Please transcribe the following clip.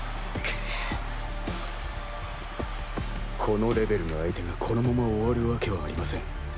このレベルの相手がこのまま終わるわけはありません。